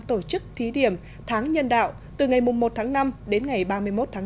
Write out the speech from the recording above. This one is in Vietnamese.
tổ chức thí điểm tháng nhân đạo từ ngày một tháng năm đến ngày ba mươi một tháng năm